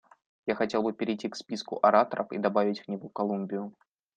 Я хотел бы перейти к списку ораторов и добавить в него Колумбию.